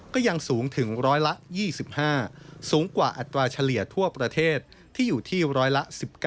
ก็ยังสูงถึงร้อยละ๒๕สูงกว่าอัตราเฉลี่ยทั่วประเทศที่อยู่ที่ร้อยละ๑๙